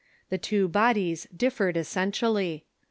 The two bodies differed essentiallv.